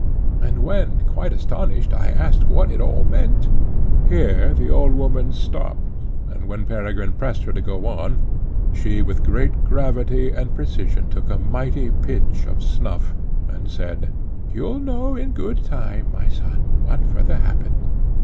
and when, quite astonished, I asked what it all meant, " Here the old woman stopt, and, when Peregrine pressed her to go on, she with great gravity and precision took a mighty pinch of snuff, and said, "You'll know in good time, my son, what farther happened.